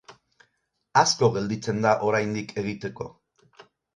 Asko gelditzen da oraindik egiteko.